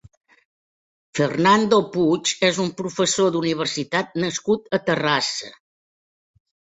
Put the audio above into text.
Fernando Puig és un professor d'universitat nascut a Terrassa.